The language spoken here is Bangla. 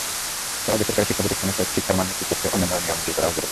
তবে বেসরকারি শিক্ষাপ্রতিষ্ঠানে শিক্ষার মান নিশ্চিত করতে অন্যান্য অনিয়ম দূর করাও জরুরি।